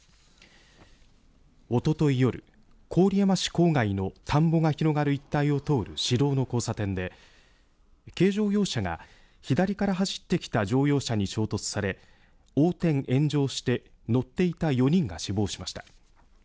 おととい夜、郡山市郊外の田んぼが広がる一帯を通る市道の交差点で軽乗用車が左から走ってきた乗用車に衝突され横転、炎上して乗っていた４人が死亡しました。